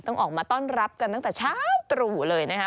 ต้องออกมาต้อนรับกันตั้งแต่เช้าตรู่เลยนะคะ